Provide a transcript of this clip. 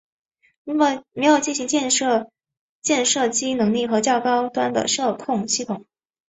并没有行进间射击能力和较高端的射控系统。